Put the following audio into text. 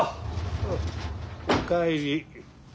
あお帰り。